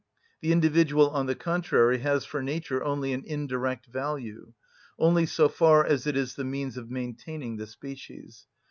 The individual, on the contrary, has for nature only an indirect value, only so far as it is the means of maintaining the species.